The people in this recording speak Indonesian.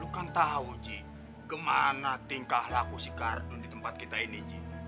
lu kan tau ji gimana tingkah laku si kardun di tempat kita ini ji